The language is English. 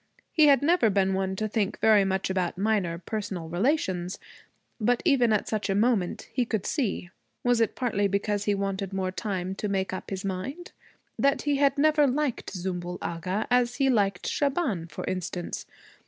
He had never been one to think very much about minor personal relations, but even at such a moment he could see was it partly because he wanted more time to make up his mind? that he had never liked Zümbül Agha as he liked Shaban, for instance.